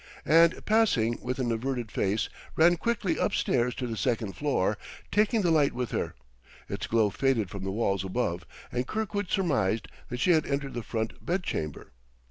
and, passing with an averted face, ran quickly up stairs to the second floor, taking the light with her. Its glow faded from the walls above and Kirkwood surmised that she had entered the front bedchamber.